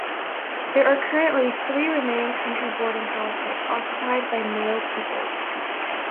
There are currently three remaining country boarding houses occupied by male pupils.